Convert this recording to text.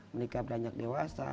mereka beranjak dewasa